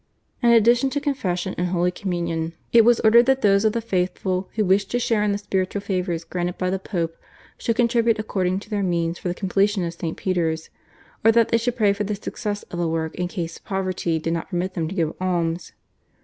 In addition to Confession and Holy Communion it was ordered that those of the faithful who wished to share in the spiritual favours granted by the Pope should contribute according to their means for the completion of St. Peter's, or that they should pray for the success of the work in case poverty did not permit them to give alms.